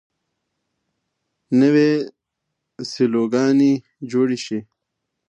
نوې سیلوګانې جوړې شي.